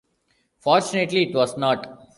Fortunately, it was not.